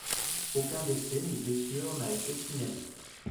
Aucun décès ni blessure n'a été signalée.